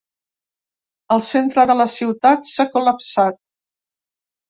El centre de la ciutat s’ha col·lapsat.